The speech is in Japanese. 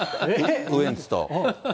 ウエンツと。